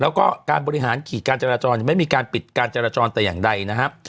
แล้วก็การบริหารขีดการจราจรไม่มีการปิดการจราจรแต่อย่างใดนะครับ